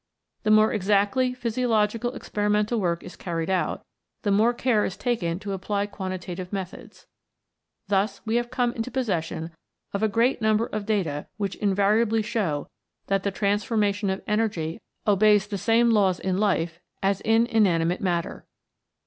The more exactly physio logical experimental work is carried out, the more care is taken to apply quantitative methods. Thus we have come into possession of a great number of data which invariably show that the transformation of energy obeys the same laws in 123 CHEMICAL PHENOMENA IN LIFE life as in inanimate matter.